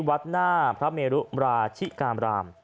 วัดหน้าพระเมรุมราชิกามราม